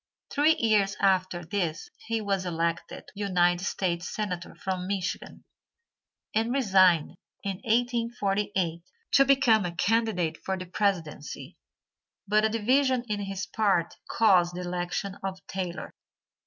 Three years after this he was elected United States senator from Michigan, and resigned in 1848 to become a candidate for the presidency, but a division in his party caused the election of Taylor.